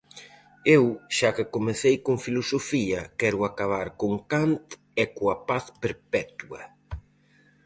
Eu, xa que comecei con filosofía, quero acabar con Kant e coa paz perpetua.